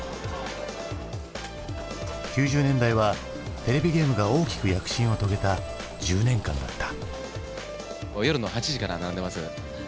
９０年代はテレビゲームが大きく躍進を遂げた１０年間だった。